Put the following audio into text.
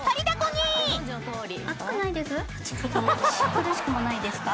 「苦しくもないですか？」